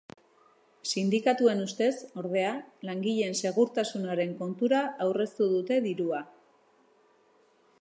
Sindikatuen ustez, ordea, langileen segurtasunaren kontura aurreztu dute dirua.